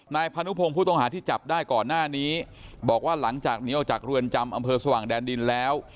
พานุพงศ์ผู้ต้องหาที่จับได้ก่อนหน้านี้บอกว่าหลังจากนี้ออกจากเรือนจำอำเภอสว่างแดนดินแล้ว